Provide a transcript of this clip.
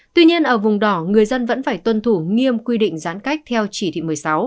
tuy nhiên ở vùng đỏ người dân vẫn phải tuân thủ nghiêm quy định giãn cách theo chỉ thị một mươi sáu